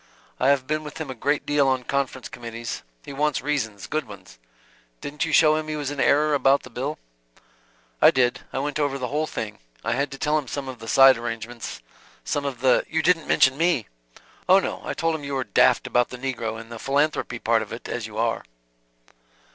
I have been with him a great deal on conference committees. He wants reasons, good ones. Didn't you show him he was in error about the bill?" "I did. I went over the whole thing. I had to tell him some of the side arrangements, some of the " "You didn't mention me?" "Oh, no. I told him you were daft about the negro and the philanthropy part of it, as you are."